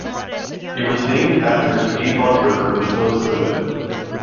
It was named after the Avon River which flows through it.